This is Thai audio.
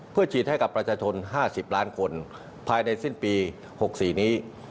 เพื่อฉีดให้กับประชาชน๕๐ล้านคนภายในสิ้นปี๖๔นี้